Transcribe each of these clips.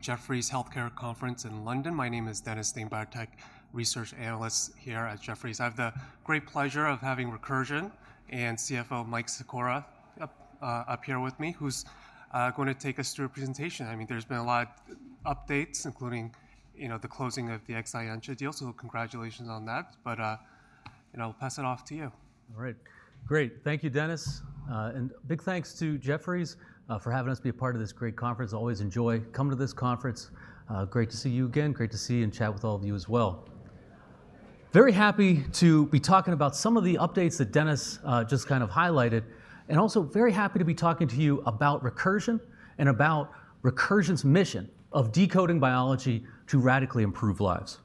Jefferies Healthcare Conference in London. My name is Dennis Ding, Biotech Research Analyst here at Jefferies. I have the great pleasure of having Recursion and CFO Mike Secora up here with me, who's going to take us through a presentation. I mean, there's been a lot of updates, including, you know, the closing of the Exscientia deal, so congratulations on that. But, you know, I'll pass it off to you. All right. Great. Thank you, Dennis, and big thanks to Jefferies for having us be a part of this great conference. Always enjoy coming to this conference. Great to see you again. Great to see and chat with all of you as well. Very happy to be talking about some of the updates that Dennis just kind of highlighted, and also very happy to be talking to you about Recursion and about Recursion's mission of decoding biology to radically improve lives,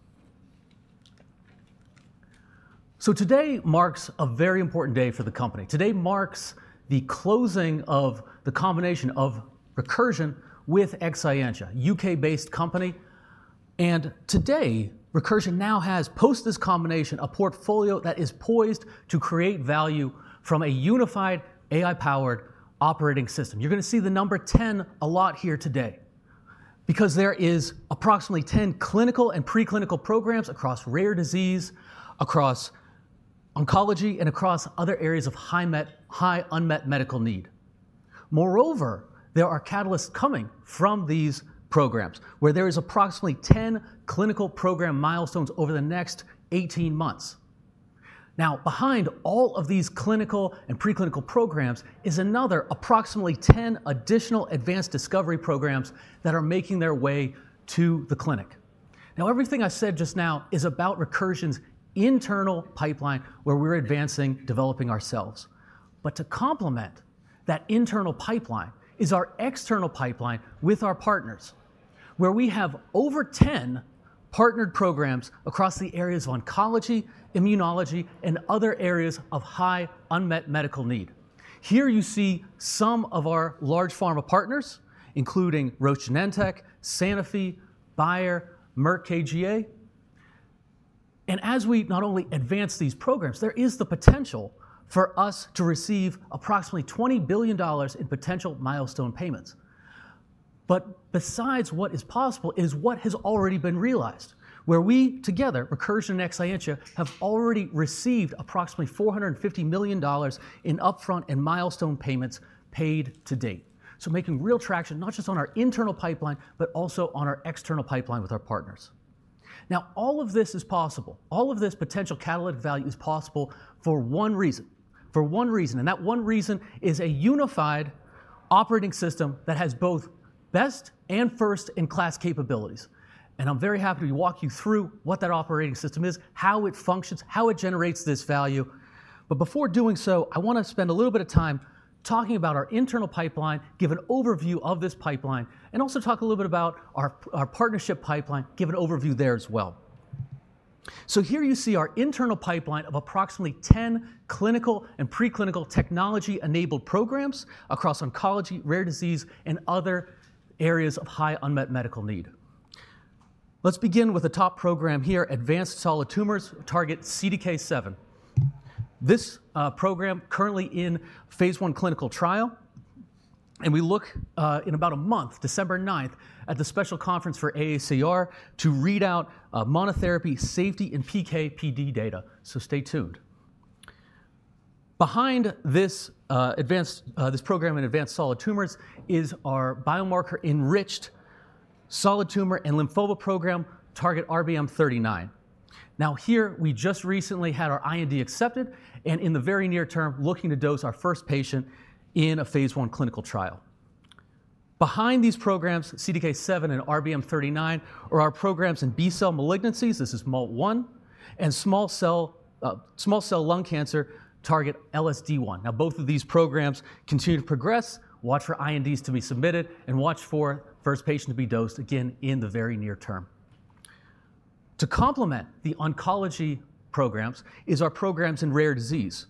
so today marks a very important day for the company. Today marks the closing of the combination of Recursion with Exscientia, a UK-based company, and today, Recursion now has, post this combination, a portfolio that is poised to create value from a unified AI-powered operating system. You're going to see the number 10 a lot here today because there are approximately 10 clinical and preclinical programs across rare disease, across oncology, and across other areas of high unmet medical need. Moreover, there are catalysts coming from these programs where there are approximately 10 clinical program milestones over the next 18 months. Now, behind all of these clinical and preclinical programs is another approximately 10 additional advanced discovery programs that are making their way to the clinic. Now, everything I said just now is about Recursion's internal pipeline where we're advancing, developing ourselves. But to complement that internal pipeline is our external pipeline with our partners, where we have over 10 partnered programs across the areas of oncology, immunology, and other areas of high unmet medical need. Here you see some of our large pharma partners, including Roche Genentech, Sanofi, Bayer, Merck KGaA. As we not only advance these programs, there is the potential for us to receive approximately $20 billion in potential milestone payments. Besides what is possible is what has already been realized, where we together, Recursion and Exscientia, have already received approximately $450 million in upfront and milestone payments paid to date. Making real traction, not just on our internal pipeline, but also on our external pipeline with our partners. Now, all of this is possible. All of this potential catalytic value is possible for one reason. For one reason. That one reason is a unified operating system that has both best and first-in-class capabilities. I'm very happy to walk you through what that operating system is, how it functions, how it generates this value. But before doing so, I want to spend a little bit of time talking about our internal pipeline, give an overview of this pipeline, and also talk a little bit about our partnership pipeline, give an overview there as well. So here you see our internal pipeline of approximately 10 clinical and preclinical technology-enabled programs across oncology, rare disease, and other areas of high unmet medical need. Let's begin with the top program here, advanced solid tumors, Target CDK7. This program is currently in Phase 1 clinical trial. And we look in about a month, December 9th, at the special conference for AACR to read out monotherapy safety and PK/PD data. So stay tuned. Behind this program in advanced solid tumors is our biomarker-enriched solid tumor and lymphoma program, Target RBM39. Now, here we just recently had our IND accepted, and in the very near term, looking to dose our first patient in a Phase 1 clinical trial. Behind these programs, CDK7 and RBM39 are our programs in B-cell malignancies. This is MALT1 and small cell lung cancer, Target LSD1. Now, both of these programs continue to progress. Watch for INDs to be submitted and watch for the first patient to be dosed again in the very near term. To complement the oncology programs are our programs in rare disease.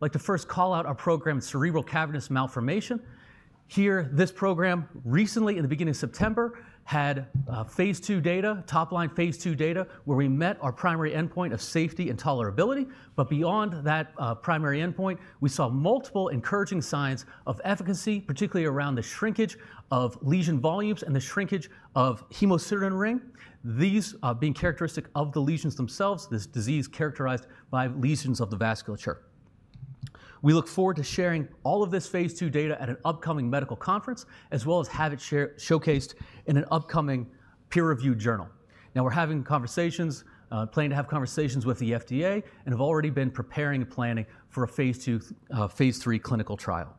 Like to first call out our program in cerebral cavernous malformation. Here, this program recently, in the beginning of September, had Phase 2 data, top-line Phase 2 data, where we met our primary endpoint of safety and tolerability. But beyond that primary endpoint, we saw multiple encouraging signs of efficacy, particularly around the shrinkage of lesion volumes and the shrinkage of hemosiderin ring, these being characteristic of the lesions themselves, this disease characterized by lesions of the vasculature. We look forward to sharing all of this Phase 2 data at an upcoming medical conference, as well as have it showcased in an upcoming peer-reviewed journal. Now, we're having conversations, planning to have conversations with the FDA, and have already been preparing and planning for a Phase 2/Phase 3 clinical trial.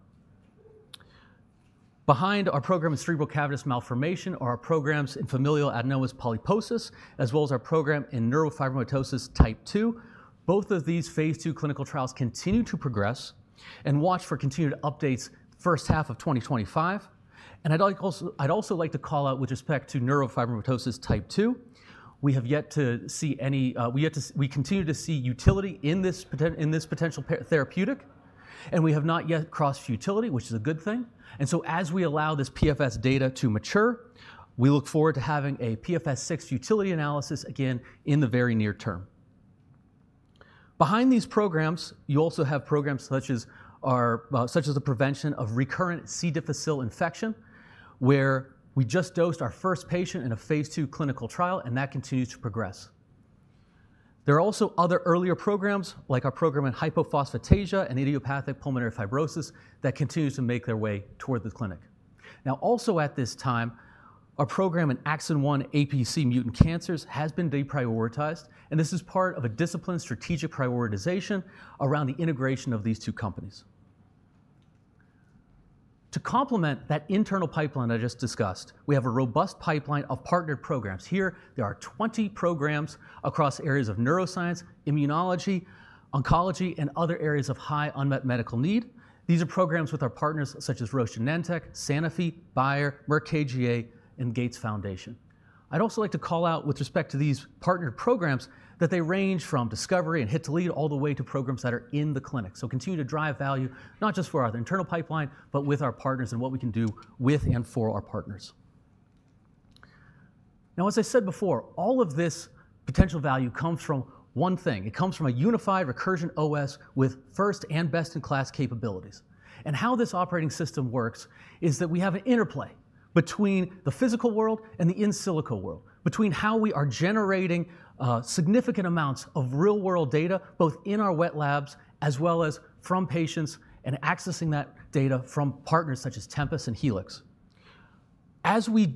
Behind our program in cerebral cavernous malformation are our programs in familial adenomatous polyposis, as well as our program in neurofibromatosis type 2. Both of these Phase 2 clinical trials continue to progress, and watch for continued updates first half of 2025. I'd also like to call out with respect to neurofibromatosis type 2, we have yet to see any. We continue to see utility in this potential therapeutic, and we have not yet crossed futility, which is a good thing. And so, as we allow this PFS data to mature, we look forward to having a PFS6 futility analysis again in the very near term. Behind these programs, you also have programs such as the prevention of recurrent C. difficile infection, where we just dosed our first patient in a Phase 2 clinical trial, and that continues to progress. There are also other earlier programs, like our program in hypophosphatasia and idiopathic pulmonary fibrosis, that continue to make their way toward the clinic. Now, also at this time, our program in AXIN1 APC mutant cancers has been deprioritized, and this is part of a disciplined strategic prioritization around the integration of these two companies. To complement that internal pipeline I just discussed, we have a robust pipeline of partnered programs. Here, there are 20 programs across areas of neuroscience, immunology, oncology, and other areas of high unmet medical need. These are programs with our partners such as Roche Genentech, Sanofi, Bayer, Merck KGaA, and Gates Foundation. I'd also like to call out with respect to these partnered programs that they range from discovery and hit to lead all the way to programs that are in the clinic. So continue to drive value, not just for our internal pipeline, but with our partners and what we can do with and for our partners. Now, as I said before, all of this potential value comes from one thing. It comes from a unified Recursion OS with first and best-in-class capabilities. And how this operating system works is that we have an interplay between the physical world and the in silico world, between how we are generating significant amounts of real-world data, both in our wet labs as well as from patients and accessing that data from partners such as Tempus and Helix. As we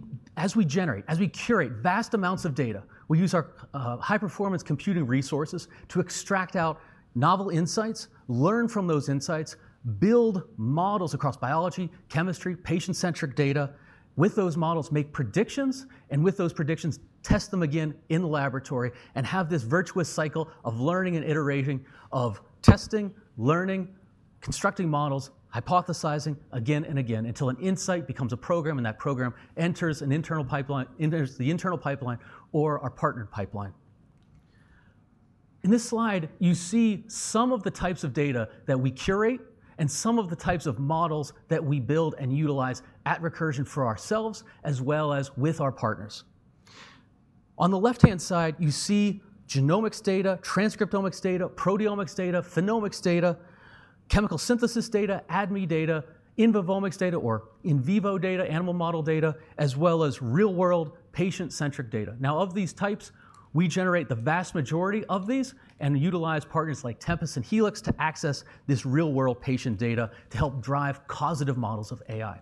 generate, as we curate vast amounts of data, we use our high-performance computing resources to extract out novel insights, learn from those insights, build models across biology, chemistry, patient-centric data. With those models, make predictions, and with those predictions, test them again in the laboratory and have this virtuous cycle of learning and iterating of testing, learning, constructing models, hypothesizing again and again until an insight becomes a program, and that program enters the internal pipeline or our partnered pipeline. In this slide, you see some of the types of data that we curate and some of the types of models that we build and utilize at Recursion for ourselves, as well as with our partners. On the left-hand side, you see genomics data, transcriptomics data, proteomics data, phenomics data, chemical synthesis data, ADME data, in vivo data, or in vivo data, animal model data, as well as real-world patient-centric data. Now, of these types, we generate the vast majority of these and utilize partners like Tempus and Helix to access this real-world patient data to help drive causative models of AI.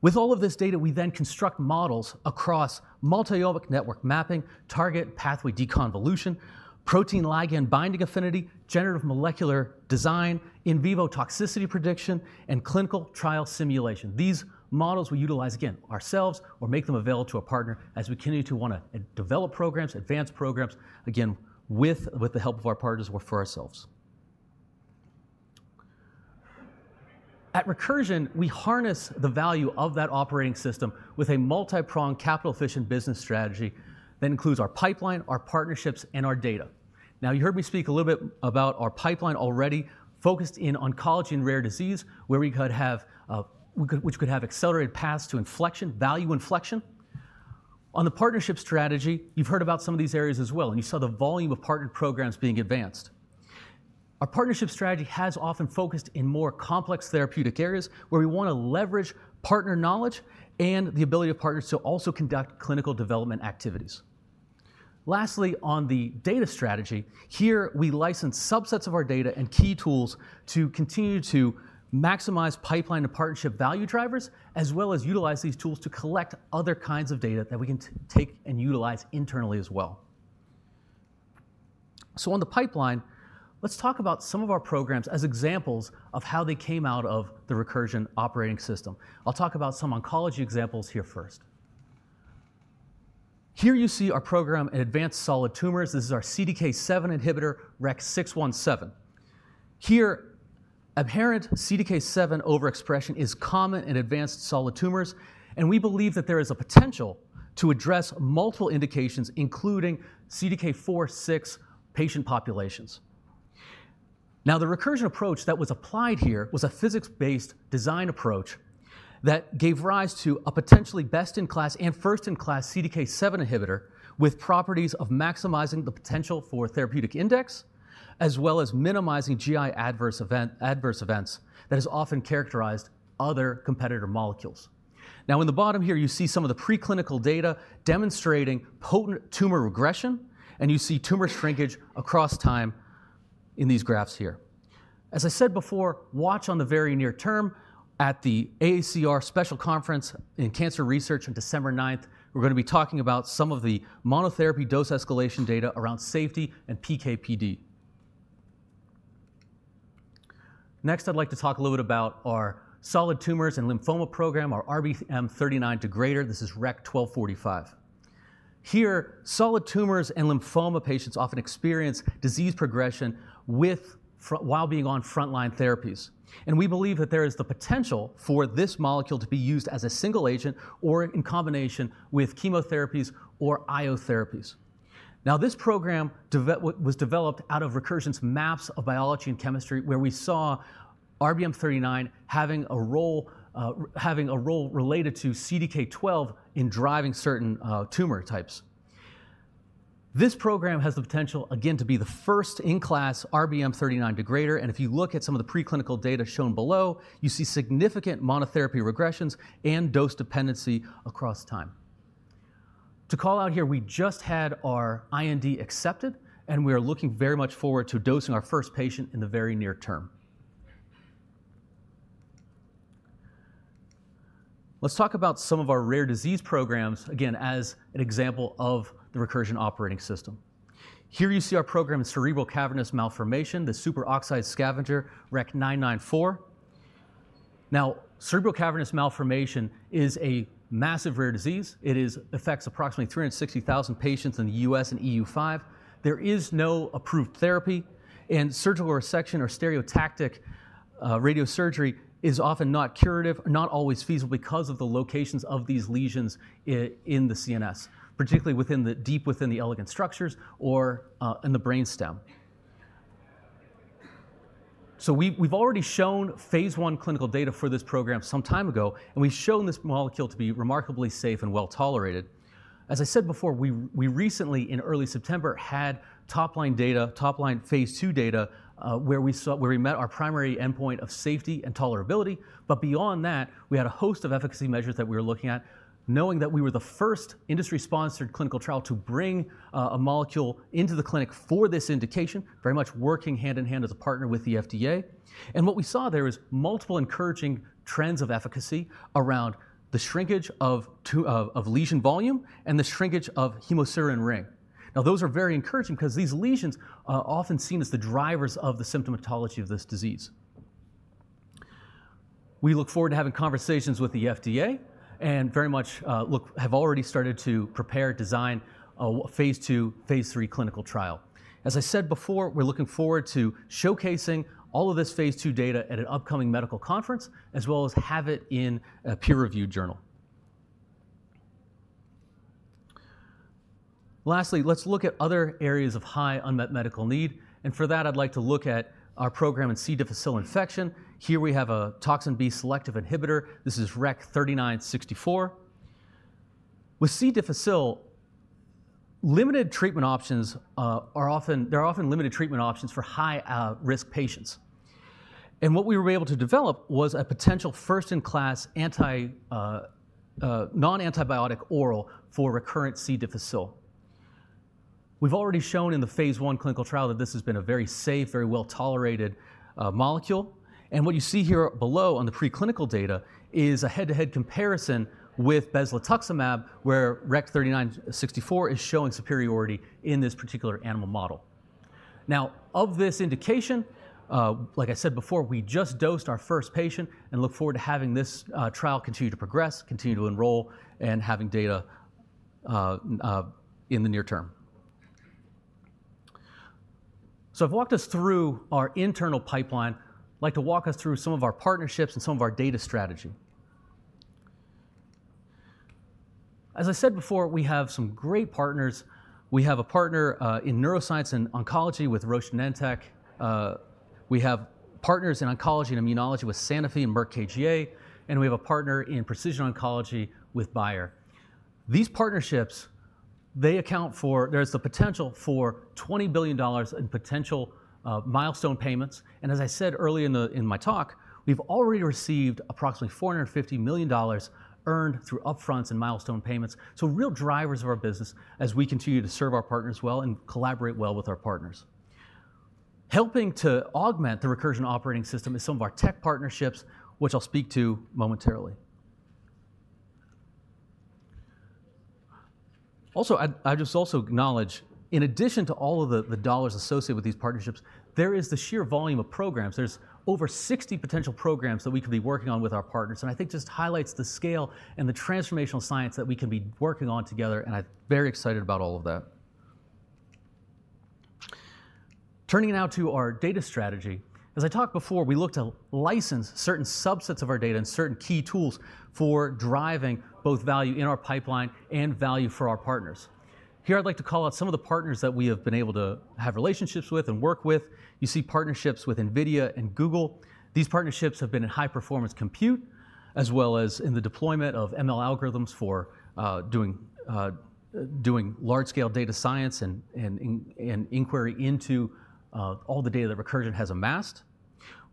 With all of this data, we then construct models across multi-omic network mapping, target pathway deconvolution, protein ligand binding affinity, generative molecular design, in vivo toxicity prediction, and clinical trial simulation. These models we utilize again ourselves or make them available to a partner as we continue to want to develop programs, advance programs, again, with the help of our partners or for ourselves. At Recursion, we harness the value of that operating system with a multi-pronged capital-efficient business strategy that includes our pipeline, our partnerships, and our data. Now, you heard me speak a little bit about our pipeline already focused in oncology and rare disease, where we could have accelerated paths to inflection, value inflection. On the partnership strategy, you've heard about some of these areas as well, and you saw the volume of partnered programs being advanced. Our partnership strategy has often focused in more complex therapeutic areas where we want to leverage partner knowledge and the ability of partners to also conduct clinical development activities. Lastly, on the data strategy, here we license subsets of our data and key tools to continue to maximize pipeline and partnership value drivers, as well as utilize these tools to collect other kinds of data that we can take and utilize internally as well. So on the pipeline, let's talk about some of our programs as examples of how they came out of the Recursion operating system. I'll talk about some oncology examples here first. Here you see our program in advanced solid tumors. This is our CDK7 inhibitor, REC-617. Here, apparent CDK7 overexpression is common in advanced solid tumors, and we believe that there is a potential to address multiple indications, including CDK4/6 patient populations. Now, the Recursion approach that was applied here was a physics-based design approach that gave rise to a potentially best-in-class and first-in-class CDK7 inhibitor with properties of maximizing the potential for therapeutic index, as well as minimizing GI adverse events that are often characterized by other competitor molecules. Now, in the bottom here, you see some of the preclinical data demonstrating potent tumor regression, and you see tumor shrinkage across time in these graphs here. As I said before, watch on the very near term at the AACR special conference in cancer research on December 9th. We're going to be talking about some of the monotherapy dose escalation data around safety and PK/PD. Next, I'd like to talk a little bit about our solid tumors and lymphoma program, our RBM39 degrader. This is REC-1245. Here, solid tumors and lymphoma patients often experience disease progression while being on frontline therapies. And we believe that there is the potential for this molecule to be used as a single agent or in combination with chemotherapies or immunotherapies. Now, this program was developed out of Recursion's maps of biology and chemistry, where we saw RBM39 having a role related to CDK12 in driving certain tumor types. This program has the potential, again, to be the first-in-class RBM39 degrader. And if you look at some of the preclinical data shown below, you see significant monotherapy regressions and dose dependency across time. To call out here, we just had our IND accepted, and we are looking very much forward to dosing our first patient in the very near term. Let's talk about some of our rare disease programs, again, as an example of the Recursion operating system. Here you see our program in cerebral cavernous malformation, the superoxide scavenger, REC-994. Now, cerebral cavernous malformation is a massive rare disease. It affects approximately 360,000 patients in the U.S. and EU5. There is no approved therapy, and surgical resection or stereotactic radiosurgery is often not curative, not always feasible because of the locations of these lesions in the CNS, particularly deep within the eloquent structures or in the brainstem. So we've already shown Phase 1 clinical data for this program some time ago, and we've shown this molecule to be remarkably safe and well tolerated. As I said before, we recently, in early September, had top-line data, top-line Phase 2 data, where we met our primary endpoint of safety and tolerability. Beyond that, we had a host of efficacy measures that we were looking at, knowing that we were the first industry-sponsored clinical trial to bring a molecule into the clinic for this indication, very much working hand in hand as a partner with the FDA. And what we saw there is multiple encouraging trends of efficacy around the shrinkage of lesion volume and the shrinkage of hemosiderin ring. Now, those are very encouraging because these lesions are often seen as the drivers of the symptomatology of this disease. We look forward to having conversations with the FDA and very much have already started to prepare and design a Phase 2, Phase 3 clinical trial. As I said before, we're looking forward to showcasing all of this Phase 2 data at an upcoming medical conference, as well as have it in a peer-reviewed journal. Lastly, let's look at other areas of high unmet medical need. For that, I'd like to look at our program in C. difficile infection. Here we have a toxin B selective inhibitor. This is REC-3964. With C. difficile, limited treatment options are often for high-risk patients. And what we were able to develop was a potential first-in-class non-antibiotic oral for recurrent C. difficile. We've already shown in the Phase 1 clinical trial that this has been a very safe, very well tolerated molecule. And what you see here below on the preclinical data is a head-to-head comparison with bezlotoxumab, where REC-3964 is showing superiority in this particular animal model. Now, of this indication, like I said before, we just dosed our first patient and look forward to having this trial continue to progress, continue to enroll, and having data in the near term. So I've walked us through our internal pipeline. I'd like to walk us through some of our partnerships and some of our data strategy. As I said before, we have some great partners. We have a partner in neuroscience and oncology with Roche Genentech. We have partners in oncology and immunology with Sanofi and Merck KGaA, and we have a partner in precision oncology with Bayer. These partnerships, they account for. There's the potential for $20 billion in potential milestone payments. As I said earlier in my talk, we've already received approximately $450 million earned through upfronts and milestone payments. Real drivers of our business as we continue to serve our partners well and collaborate well with our partners. Helping to augment the Recursion operating system is some of our tech partnerships, which I'll speak to momentarily. Also, I just also acknowledge, in addition to all of the dollars associated with these partnerships, there is the sheer volume of programs. There's over 60 potential programs that we could be working on with our partners, and I think it just highlights the scale and the transformational science that we can be working on together, and I'm very excited about all of that. Turning now to our data strategy. As I talked before, we look to license certain subsets of our data and certain key tools for driving both value in our pipeline and value for our partners. Here, I'd like to call out some of the partners that we have been able to have relationships with and work with. You see partnerships with NVIDIA and Google. These partnerships have been in high-performance compute, as well as in the deployment of ML algorithms for doing large-scale data science and inquiry into all the data that Recursion has amassed.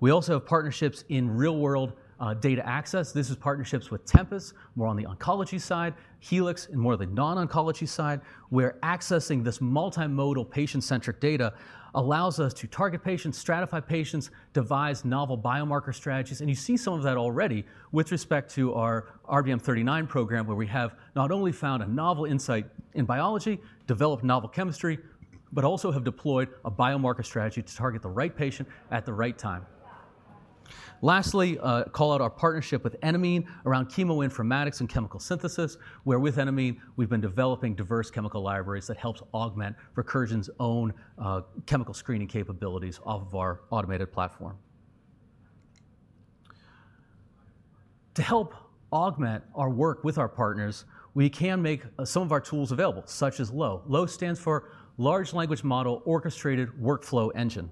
We also have partnerships in real-world data access. This is partnerships with Tempus, more on the oncology side, Helix, and more on the non-oncology side, where accessing this multimodal patient-centric data allows us to target patients, stratify patients, devise novel biomarker strategies. And you see some of that already with respect to our RBM39 program, where we have not only found a novel insight in biology, developed novel chemistry, but also have deployed a biomarker strategy to target the right patient at the right time. Lastly, call out our partnership with Enamine around chemoinformatics and chemical synthesis, where with Enamine, we've been developing diverse chemical libraries that help augment Recursion's own chemical screening capabilities off of our automated platform. To help augment our work with our partners, we can make some of our tools available, such as LOWE. LOWE stands for Large Language Model Orchestrated Workflow Engine.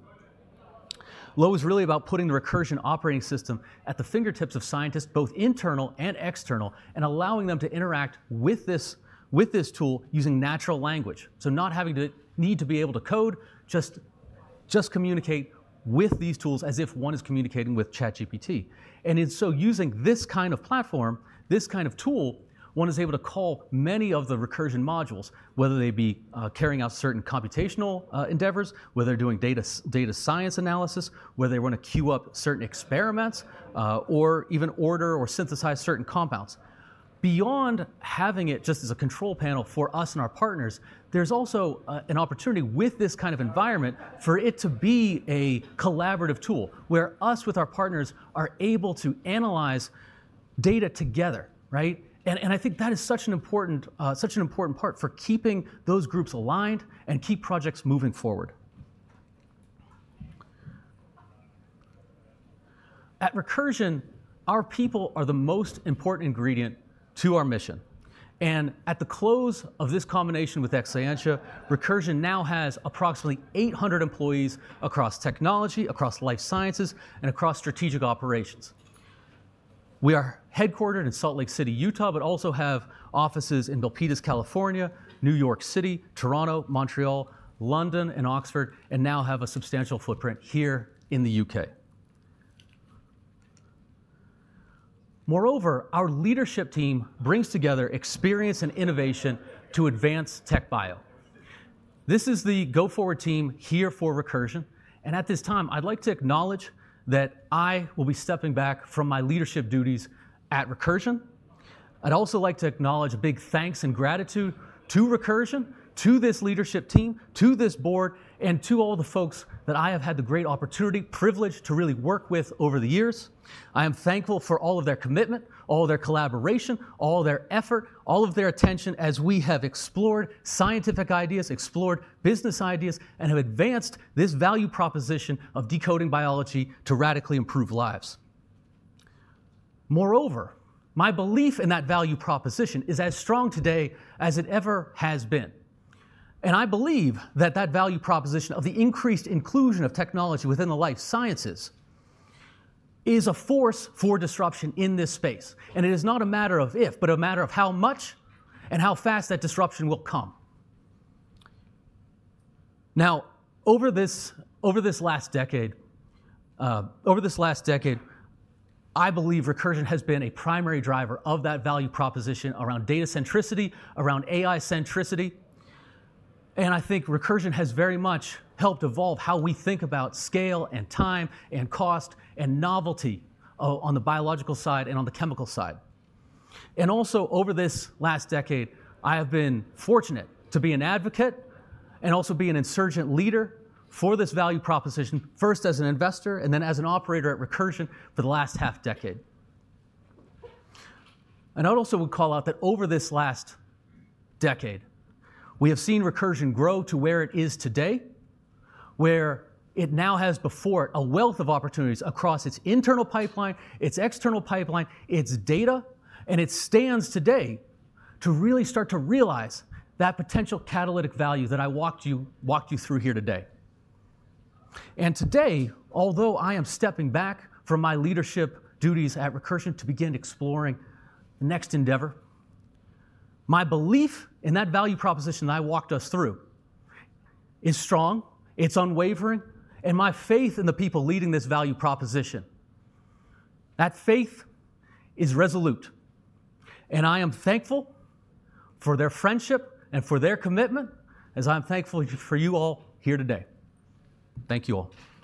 LOWE is really about putting the Recursion operating system at the fingertips of scientists, both internal and external, and allowing them to interact with this tool using natural language. So not having to need to be able to code, just communicate with these tools as if one is communicating with ChatGPT. And so using this kind of platform, this kind of tool, one is able to call many of the Recursion modules, whether they be carrying out certain computational endeavors, whether they're doing data science analysis, whether they want to queue up certain experiments, or even order or synthesize certain compounds. Beyond having it just as a control panel for us and our partners, there's also an opportunity with this kind of environment for it to be a collaborative tool, where us with our partners are able to analyze data together. And I think that is such an important part for keeping those groups aligned and keep projects moving forward. At Recursion, our people are the most important ingredient to our mission. And at the close of this combination with Exscientia, Recursion now has approximately 800 employees across technology, across life sciences, and across strategic operations. We are headquartered in Salt Lake City, Utah, but also have offices in Milpitas, California, New York City, Toronto, Montreal, London, and Oxford, and now have a substantial footprint here in the UK. Moreover, our leadership team brings together experience and innovation to advance TechBio. This is the go-forward team here for Recursion. And at this time, I'd like to acknowledge that I will be stepping back from my leadership duties at Recursion. I'd also like to acknowledge a big thanks and gratitude to Recursion, to this leadership team, to this board, and to all the folks that I have had the great opportunity, privilege to really work with over the years. I am thankful for all of their commitment, all of their collaboration, all of their effort, all of their attention as we have explored scientific ideas, explored business ideas, and have advanced this value proposition of decoding biology to radically improve lives. Moreover, my belief in that value proposition is as strong today as it ever has been. And I believe that that value proposition of the increased inclusion of technology within the life sciences is a force for disruption in this space. And it is not a matter of if, but a matter of how much and how fast that disruption will come. Now, over this last decade, I believe Recursion has been a primary driver of that value proposition around data centricity, around AI centricity. And I think Recursion has very much helped evolve how we think about scale and time and cost and novelty on the biological side and on the chemical side. And also, over this last decade, I have been fortunate to be an advocate and also be an insurgent leader for this value proposition, first as an investor and then as an operator at Recursion for the last half decade. And I also would call out that over this last decade, we have seen Recursion grow to where it is today, where it now has before it a wealth of opportunities across its internal pipeline, its external pipeline, its data. And it stands today to really start to realize that potential catalytic value that I walked you through here today. And today, although I am stepping back from my leadership duties at Recursion to begin exploring the next endeavor, my belief in that value proposition that I walked us through is strong, it's unwavering, and my faith in the people leading this value proposition, that faith is resolute. And I am thankful for their friendship and for their commitment, as I'm thankful for you all here today. Thank you all.